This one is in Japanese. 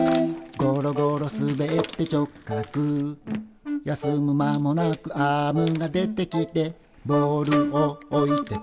「ごろごろすべって直角」「休む間もなくアームが出てきて」「ボールをおいてく」